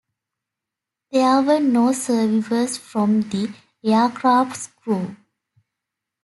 There were no survivors from the aircraft's crew.